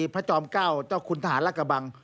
โรยีพระจอมเก้าเจ้าคุณทหารรักบัง